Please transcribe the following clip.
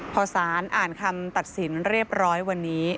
พอสารอ่านคำตัดสินเรียบร้อยวันนี้